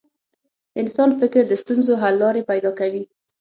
د انسان فکر د ستونزو حل لارې پیدا کوي.